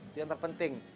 itu yang terpenting